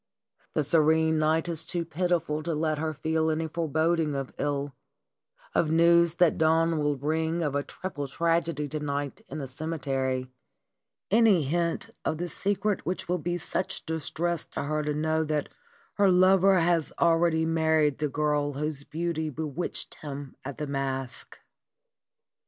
The serene night is too pitiful to let her feel any foreboding of ill, of news that dawn will bring of a triple tragedy to night in the ceme tery, any hint of the secret which will be such distress to her to know that her lover has already married the girl whose beauty be witched him at the masque.